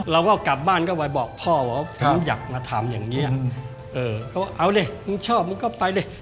เราก็กลับบ้านเข้าไปบอกพ่อว่าผมอยากมาทำอย่างนี้เขาเอาเลยมึงชอบมึงก็ไปเลย